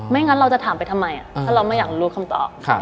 งั้นเราจะถามไปทำไมถ้าเราไม่อยากรู้คำตอบ